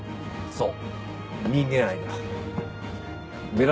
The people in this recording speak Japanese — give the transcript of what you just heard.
そう。